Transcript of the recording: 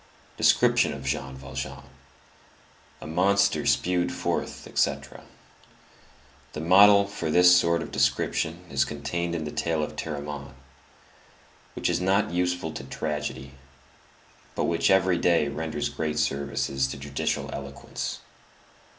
Description of Jean Valjean: a monster spewed forth, etc. The model for this sort of description is contained in the tale of Théramène, which is not useful to tragedy, but which every day renders great services to judicial eloquence.